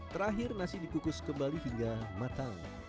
terakhir nasi di kukus kembali hingga matang